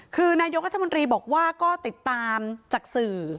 คือนายกรัฐมนตรีบอกว่าก็ติดตามจากสื่อ